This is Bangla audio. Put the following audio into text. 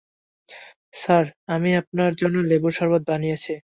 স্যার, আমি আপনার জন্য লেবুর শরবত বানিয়েছি।